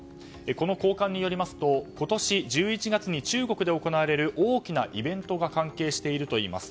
この高官によりますと今年１１月に中国で行われる大きなイベントが関係しているといいます。